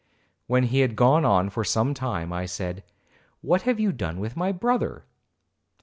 When he had gone on for some time, I said, 'What have you done with my brother?'